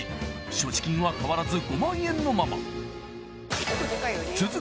所持金は変わらず５万円のまま続く